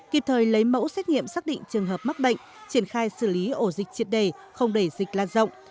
kịp thời lấy mẫu xét nghiệm xác định trường hợp mắc bệnh triển khai xử lý ổ dịch triệt đề không để dịch lan rộng